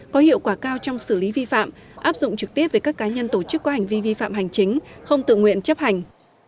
có hiệu quả cao trong xử lý vi phạm áp dụng trực tiếp với các cá nhân tổ chức có hành vi vi phạm hành chính không tự nguyện chấp hành